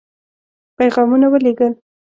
پيغامونه ولېږل.